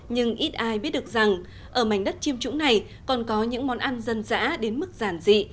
nhưng ít ai biết được rằng ở mảnh đất chiêm trũng này còn có những món ăn dân dã đến mức giản dị